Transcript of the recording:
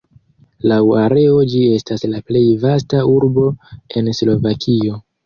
Laŭ areo ĝi estas la plej vasta urbo en Slovakio.